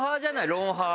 『ロンハー』。